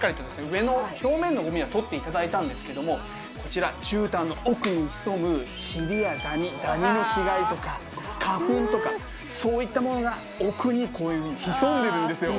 上の表面のゴミは取って頂いたんですけどもこちらじゅうたんの奥に潜むチリやダニダニの死骸とか花粉とかそういったものが奥にこういうふうに潜んでるんですよ。